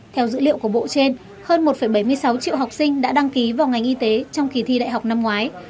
theo dữ liệu của bộ trên hơn một bảy mươi sáu triệu học sinh đã đăng ký vào ngành y tế trong kỳ thi đại học năm ngoái